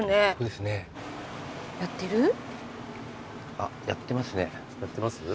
あっやってますね。